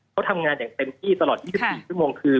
เขาทำงานอย่างเต็มที่ตลอด๒๔ชั่วโมงคือ